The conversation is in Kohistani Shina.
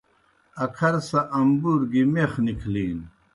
اکھر سہ امبُور گیْ میخ نِکھلِینوْ۔